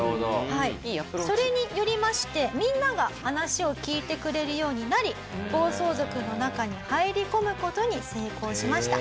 それによりましてみんなが話を聞いてくれるようになり暴走族の中に入り込む事に成功しました。